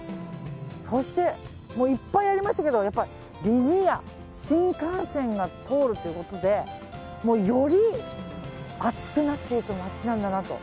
そして、いっぱいありましたけどリニア新幹線が通るってことでもう、より熱くなっていく街なんだなと。